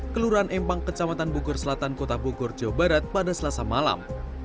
kelurahan empang kecamatan bogor selatan kota bogor jawa barat pada selasa malam